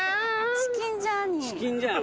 チキンジャーニー。